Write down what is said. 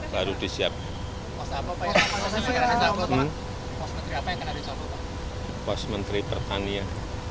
pos menteri pertanian